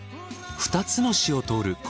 ２つの市を通る